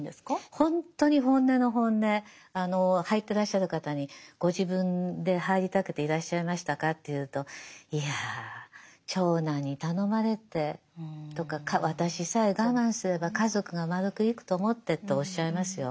ほんとに本音の本音入ってらっしゃる方にご自分で入りたくていらっしゃいましたかっていうと「いや長男に頼まれて」とか「私さえ我慢すれば家族がまるくいくと思って」っておっしゃいますよ。